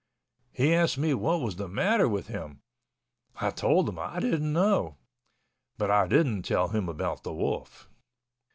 He asked me what was the matter with him. I told him I didn't know—but I didn't tell him about the wolf.